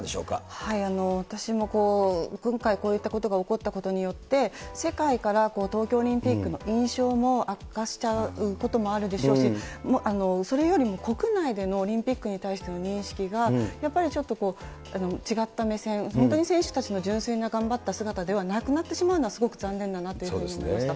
私も今回、こういったことが起こったことによって、世界から東京オリンピックの印象も悪化しちゃうこともあるでしょうし、それよりも国内でのオリンピックに対しての認識がやっぱりちょっと違った目線、本当に選手たちの純粋な頑張った姿でなくなってしまうのはすごく残念だなというふうに思いました。